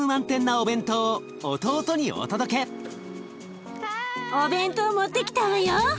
お弁当持ってきたわよ！